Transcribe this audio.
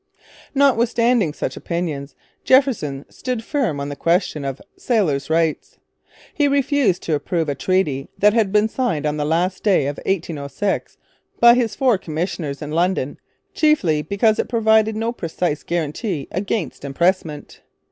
Notwithstanding such opinions, Jefferson stood firm on the question of 'Sailors' Rights.' He refused to approve a treaty that had been signed on the last day of 1806 by his four commissioners in London, chiefly because it provided no precise guarantee against impressment.